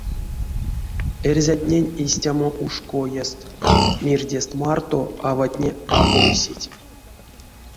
Эрзятнень истямо уш коест: мирдест марто аватне а ойсить.